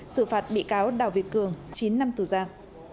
xử phạt bị cáo đào việt cường chín năm tù giam